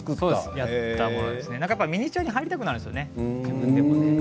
やっぱり自分でもミニチュアに入りたくなるんですよね。